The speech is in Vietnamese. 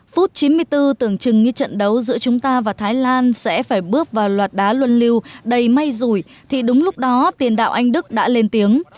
phút chín mươi bốn tưởng chừng như trận đấu giữa chúng ta và thái lan sẽ phải bước vào loạt đá luân lưu đầy may rủi thì đúng lúc đó tiền đạo anh đức đã lên tiếng